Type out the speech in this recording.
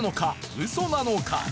ウソなのか？